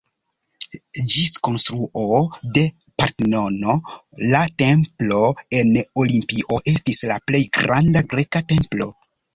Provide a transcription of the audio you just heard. Ĝis konstruo de Partenono la templo en Olimpio estis la plej granda greka templo.